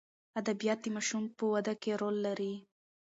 ادبیات د ماشوم په وده کې رول لري.